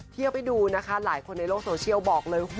เที่ยวไปดูนะคะหลายคนในโลกโซเชียลบอกเลย